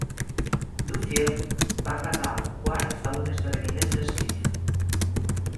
Duffield va acabar quart a un esdeveniment d'esquif.